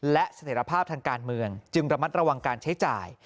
และเสถียรภาพทางการเมืองจึงระมัดระวังการใช้จ่าย